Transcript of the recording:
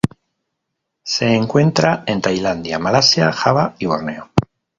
Se encuentra en Tailandia, Malasia, Java y Borneo.